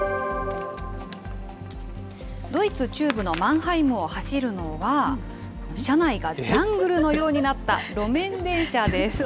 ドイツ中部のマンハイムを走るのは、車内がジャングルのようになった路面電車です。